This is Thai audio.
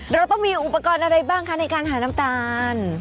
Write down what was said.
เราต้องมีอุปกรณ์อะไรบ้างคะในการหาน้ำตาล